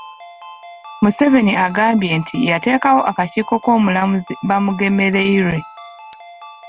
Museveni agambye nti yateekawo akakiiko k’Omulamuzi Bamugemereirwe.